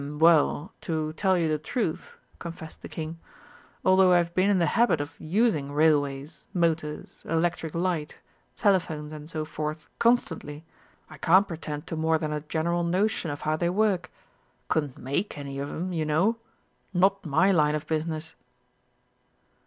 "H'm, well, to tell you the truth," confessed the King, "although I've been in the habit of using railways, motors, electric light, telephones, and so forth constantly, I can't pretend to more than a general notion of how they work. Couldn't make any of 'em, you know. Not my line of business!"